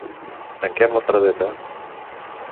Tanquem la paradeta.